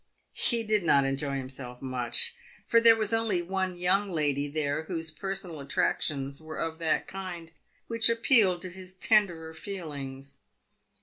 He did not enjoy himself much, for there was only one young lady there whose personal attractions were of that kind which appealed to his tenderer feelings.